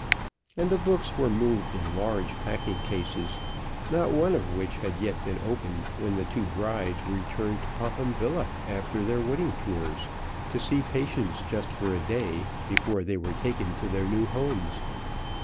And the books were moved in large packing cases, not one of which had yet been opened when the two brides returned to Popham Villa after their wedding tours, to see Patience just for a day before they were taken to their new homes.